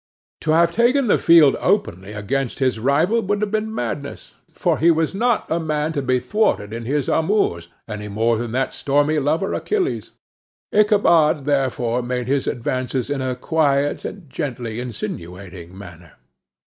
To have taken the field openly against his rival would have been madness; for he was not a man to be thwarted in his amours, any more than that stormy lover, Achilles. Ichabod, therefore, made his advances in a quiet and gently insinuating manner.